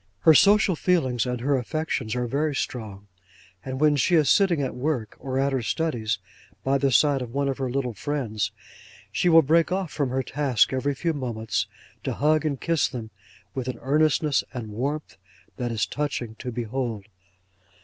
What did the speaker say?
'Her social feelings, and her affections, are very strong; and when she is sitting at work, or at her studies, by the side of one of her little friends, she will break off from her task every few moments, to hug and kiss them with an earnestness and warmth that is touching to behold.